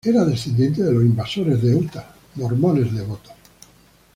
Era descendiente de los pioneros de Utah, mormones devotos.